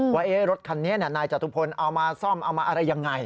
ว่ารถคันนี้นายจตุพลเอามาซ่อมเอามาอะไรยังไง